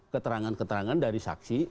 keterangan keterangan dari saksi